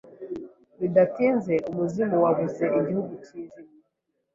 Bidatinze, umuzimu wabuze igihu cyijimye.